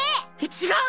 違う！